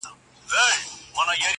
راسئ له زړونو به اول توري تیارې و باسو,